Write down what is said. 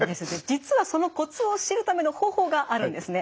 実はそのコツを知るための方法があるんですね。